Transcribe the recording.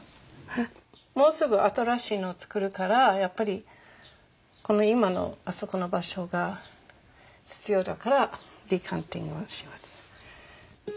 もうすぐ新しいのをつくるからやっぱりこの今のあそこの場所が必要だからデカンティングをします。